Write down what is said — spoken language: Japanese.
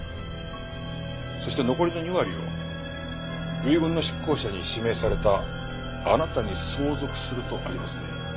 そして残りの２割を遺言の執行者に指名されたあなたに相続するとありますね。